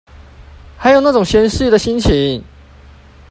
還有那種閒適的心情